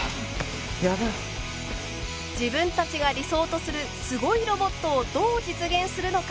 自分たちが理想とするすごいロボットをどう実現するのか。